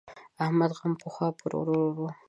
احمد غم پخوا پر ورور وو.